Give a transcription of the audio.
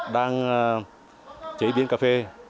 đang chế biến cà phê